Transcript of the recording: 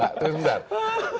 pak tunggu sebentar